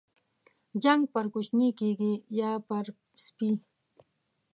جنگ پر کوچني کېږي ، يا پر سپي.